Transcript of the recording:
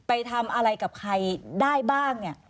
ไปทำอะไรกับใครได้บ้างเนี่ย